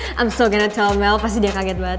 saya masih akan beritahu mel pasti dia kaget banget